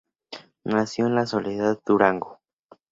Nació en La Soledad, Durango.